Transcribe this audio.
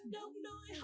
em mới ngỡ em đừng xanh